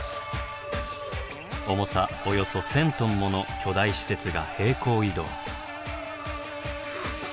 重さおよそ１，０００トンもの巨大施設が平行移動。